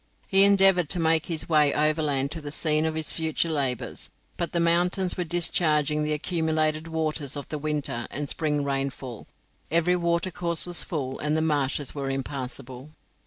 He endeavoured to make his way overland to the scene of his future labours, but the mountains were discharging the accumulated waters of the winter and spring rainfall, every watercourse was full, and the marshes were impassable.